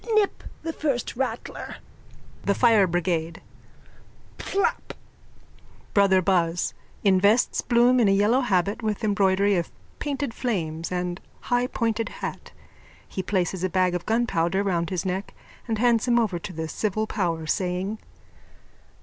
Nip the first rattler. THE FIRE BRIGADE: Pflaap! BROTHER BUZZ: _(Invests Bloom in a yellow habit with embroidery of painted flames and high pointed hat. He places a bag of gunpowder round his neck and hands him over to the civil power, saying.)